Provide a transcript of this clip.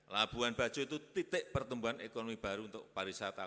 labuan bajo itu titik pertumbuhan ekonomi baru untuk pariwisata